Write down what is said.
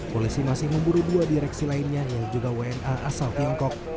polisi masih memburu dua direksi lainnya yang juga wna asal tiongkok